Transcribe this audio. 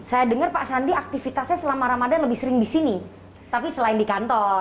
saya dengar pak sandi aktivitasnya selama ramadan lebih sering di sini tapi selain di kantor